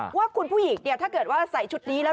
ว่าคุณผู้หญิงเนี่ยถ้าเกิดว่าใส่ชุดนี้แล้ว